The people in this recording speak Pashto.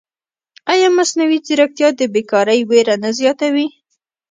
ایا مصنوعي ځیرکتیا د بېکارۍ وېره نه زیاتوي؟